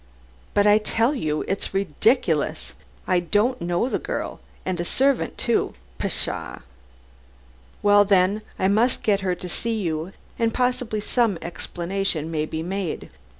"But I tell you it's ridiculous. I don't know the girl and a servant, too. Pshaw!" "Well, then, I must get her to see you, and possibly some explanation may be made.